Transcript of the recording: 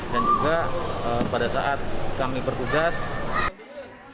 dan juga pada saat kami bertugas